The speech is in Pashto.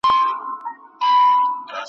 راغلی مه وای زما له هیواده ,